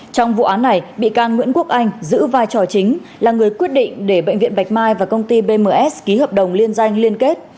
trong vụ án này bị can nguyễn quốc anh giữ vai trò chính là người quyết định để bệnh viện bạch mai và công ty bms ký hợp đồng liên danh liên kết